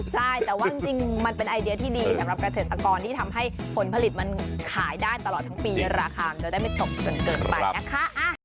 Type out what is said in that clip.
ใช่แต่ว่าจริงมันเป็นไอเดียที่ดีสำหรับเกษตรกรที่ทำให้ผลผลิตมันขายได้ตลอดทั้งปีราคามันจะได้ไม่ตกจนเกินไปนะคะ